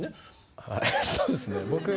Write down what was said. そうですね僕。